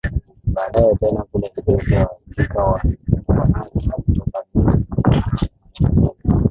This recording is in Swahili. Baadaye tena kule Ethiopia walifika wamonaki kutoka Misri na Shamu Ndio